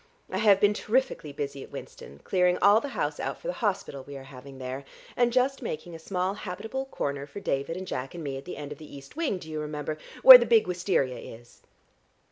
I have been terrifically busy at Winston, clearing all the house out for the hospital we are having there, and just making a small habitable corner for David and Jack and me at the end of the east wing, do you remember, where the big wisteria is.